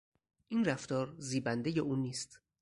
این رفتار زیبندهی او نیست.